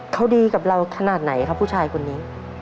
เขาดีกับเราขนาดไหนครับผู้ชายคนนี้